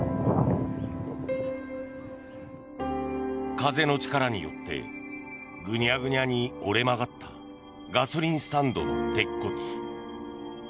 風の力によってグニャグニャに折れ曲がったガソリンスタンドの鉄骨。